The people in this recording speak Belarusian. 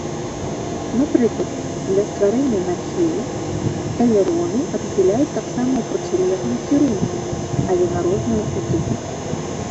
Напрыклад, для стварэння нахілу элероны адхіляюць таксама ў процілеглым кірунку, але на розныя куты.